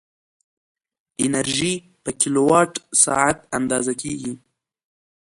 انرژي په کیلووات ساعت اندازه کېږي.